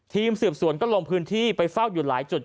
ทีมสืบสวนก็ลงพื้นที่ไปเฝ้าอยู่หลายจุด